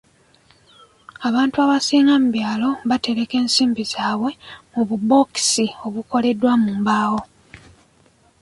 Abantu abasinga mu byalo batereka ensimbi zaabwe mu bubookisi obukoleddwa mu mbaawo.